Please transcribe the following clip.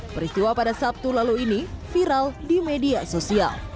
peristiwa pada sabtu lalu ini viral di media sosial